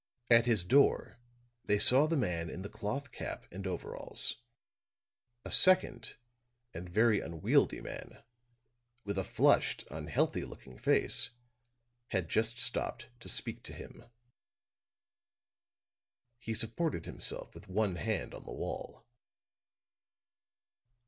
At his door they saw the man in the cloth cap and overalls. A second and very unwieldy man, with a flushed, unhealthy looking face, had just stopped to speak to him. He supported himself with one hand on the wall.